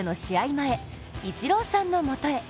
前、イチローさんのもとへ。